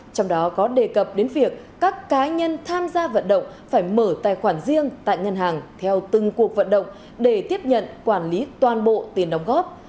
trong đó có đề cập đến việc các cá nhân tham gia vận động phải mở tài khoản riêng tại ngân hàng theo từng cuộc vận động để tiếp nhận quản lý toàn bộ tiền đóng góp